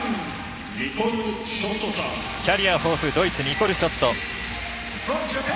キャリア豊富ドイツ、ニコル・ショット。